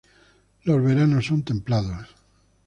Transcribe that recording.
Los veranos son templados.